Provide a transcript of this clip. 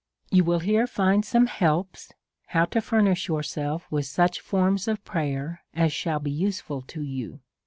You will here find some helps, how to furnish yourself with such forms of prayer as shall be useful to you.